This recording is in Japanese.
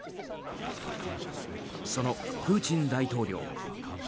そのプーチン大統領